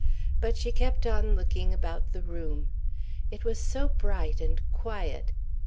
But she kept on looking about the room. It was so bright and quiet.